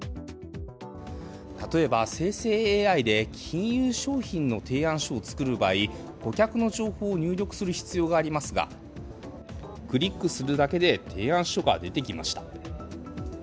例えば、生成ＡＩで金融商品の提案書を作る場合顧客の情報を入力する必要がありますが、クリックするだけで提案書が出てきました。